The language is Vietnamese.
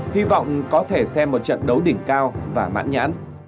hy vọng có thể xem một trận đấu đỉnh cao và mãn nhãn